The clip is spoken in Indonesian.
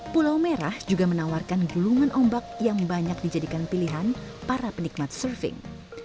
pulau merah juga menawarkan gelungan ombak yang banyak dijadikan pilihan